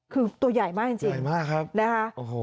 คือตัวใหญ่มากจริงใหญ่มากครับนะคะ